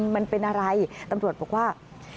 มันเป็นอะไรตำรวจบอกว่า